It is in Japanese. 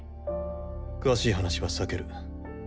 詳しい話は避ける。